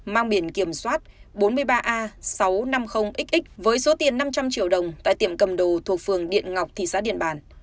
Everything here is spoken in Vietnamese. mang biển kiểm soát bốn mươi ba a sáu trăm năm mươi xx với số tiền năm trăm linh triệu đồng tại tiệm cầm đồ thuộc phường điện ngọc tỉ xá điền bản